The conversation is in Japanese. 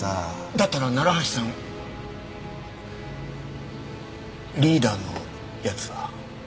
だったら楢橋さんリーダーの奴は？